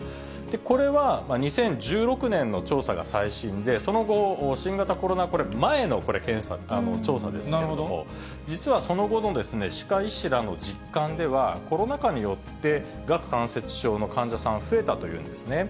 これは２０１６年の調査が最新で、その後、新型コロナ前のこれ、調査ですけれども、実はその後の歯科医師らの実感では、コロナ禍によって顎関節症の患者さんが増えたというんですね。